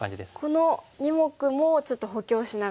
この２目もちょっと補強しながら。